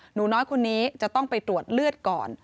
หนูน้อยคนนี้จะต้องไปตรวจเลือดก่อน